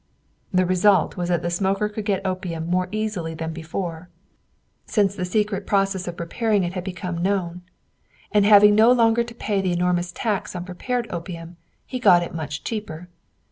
The result was that the smoker could get opium more easily than before, since the secret process of preparing it had become known; and having no longer to pay the enormous tax on prepared opium, he got it much cheaper.